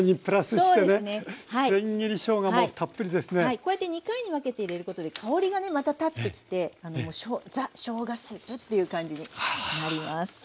こうやって２回に分けて入れることで香りがねまた立ってきてザ・しょうがスープっていう感じになります。